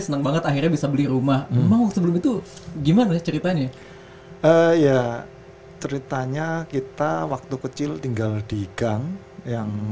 sederhana lah ya keluarga ya